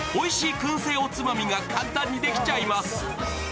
くん製おつまみが簡単にできちゃいます。